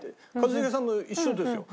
一茂さんの一緒ですよ。